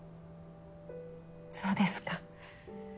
そうですか。